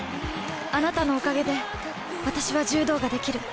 あなたのおかげで私は柔道ができる。